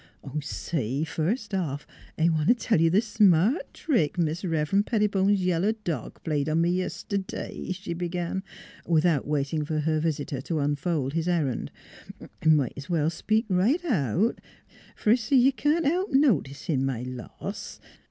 " Say, first off, I want t' tell you the smart trick Mis' Rev'ren' Pettibone's yellow dog played on me yist'day," she began, without waiting for her visitor to unfold his errand. "Might's well speak right out fer I see you can't help noticin' my loss.